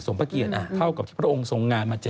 อย่างสมพเกียรติเท่ากับที่พระองค์ส่งงานมา๗๐ปี